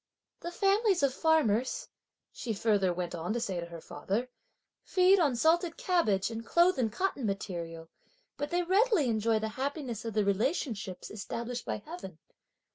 "The families of farmers," she further went on to say to her father, "feed on salted cabbage, and clothe in cotton material; but they readily enjoy the happiness of the relationships established by heaven!